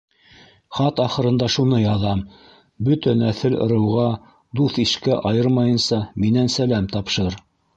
Хат ахырында шуны яҙам: бөтә нәҫел-ырыуға, дуҫ-ишкә айырмайынса минән сәләм тапшыр.